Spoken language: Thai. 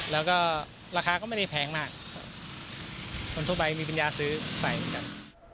แล้วก็ราคะก็ไม่ได้แพงมากคนทั่วไปมีบรรยายศือใสมันกัน